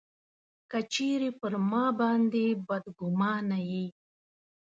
که چېرې پر ما باندي بدګومانه یې.